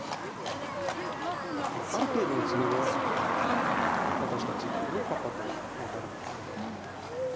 ある程度の詰碁は私たちもパッパと分かるんですけど。